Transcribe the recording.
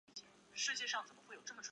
现居旧金山湾区希尔斯伯勒。